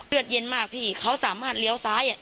เย็นมากพี่เขาสามารถเลี้ยวซ้าย